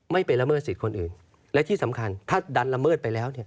ไม่ไปละเมิดสิทธิ์คนอื่นและที่สำคัญถ้าดันละเมิดไปแล้วเนี่ย